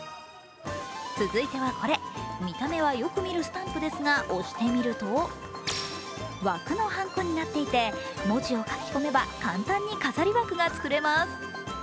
続いてこれ、よく見るスタンプですが押してみると枠のはんこになっていて文字を書き込めば、簡単に飾り枠が作れます。